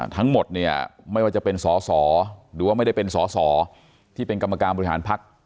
ทั้งหมดเนี่ยไม่ว่าจะเป็นสอสอหรือว่าไม่ได้เป็นสอสอที่เป็นกรรมการบริหารพัก